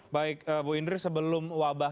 baik bu indri sebelum wabah